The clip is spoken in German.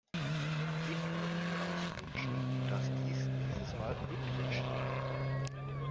Ich würde mir also wünschen, dass dies diesmal wirklich geschieht.